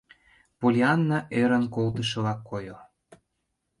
Поллианна ӧрын колтышыла койо: